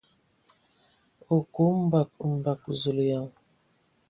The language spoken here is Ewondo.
O ku mbǝg mbǝg ! Zulǝyan.